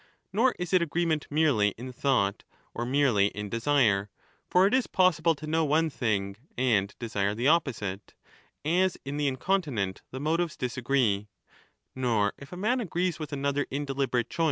Nor * is it agreement merely in thought or merely in desire, for it is possible to know one thing and desire the opposite,^ as in the incontinent the motives disagree, nor if 20 a man agrees with another in deliberate choice, does he 1 14 = E.